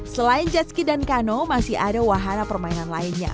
selain jetski dan kano masih ada wahana permainan lainnya